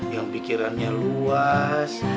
yang pikirannya luas